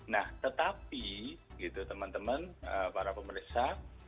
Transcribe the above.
nah tetapi gitu teman teman para pemeriksa